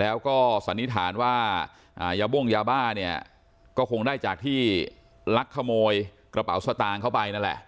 แล้วก็สันนิษฐานว่ายาบ้งยาบ้าเนี่ยก็คงได้จากที่ลักขโมยกระเป๋าสตางค์เข้าไปนั่นแหละ